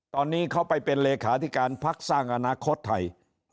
ตอนนี้เขาไปเป็นเลขาธิการพักสร้างอนาคตไทย